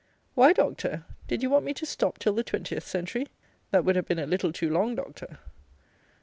Why, Doctor? Did you want me to stop till the twentieth century? That would have been a little too long, Doctor.